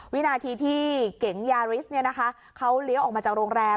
วินาทีที่เก๋งยาริสเขาเลี้ยวออกมาจากโรงแรม